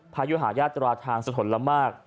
ยุหายาตราทางสะทนละมาก